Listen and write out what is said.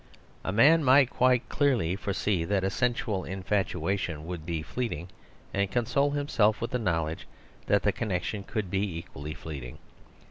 A man might quite clearly foresee that a sen sual infatuation would be fleeting, and con sole himself with the knowledge that the con nection could be equally fleeting.